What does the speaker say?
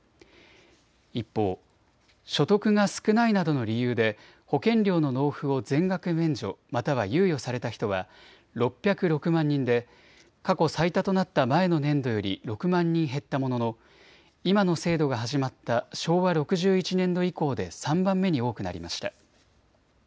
一方、所得が少ないなどの理由で保険料の納付を全額免除、または猶予された人は６０６万人で過去最多となった前の年度より６万人減ったものの今の制度が始まった昭和６１年度以降で３番目に多くなりました。